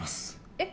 えっ？